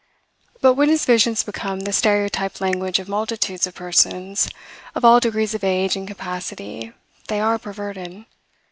But when his visions become the stereotyped language of multitudes of persons, of all degrees of age and capacity, they are perverted.